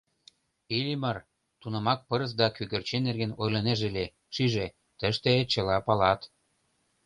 Иллимар тунамак пырыс да кӧгӧрчен нерген ойлынеже ыле, шиже: тыште чыла палат.